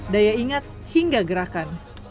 daya ingat hingga gerakan